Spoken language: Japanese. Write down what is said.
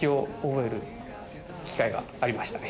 がありましたね。